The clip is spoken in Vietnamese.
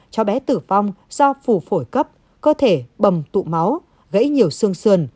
cháu bé tử vong do phủ phổi cấp cơ thể bầm tụ máu gãy nhiều xương xườn